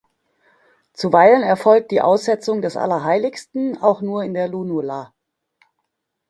Zuweilen erfolgt die Aussetzung des Allerheiligsten auch nur in der Lunula.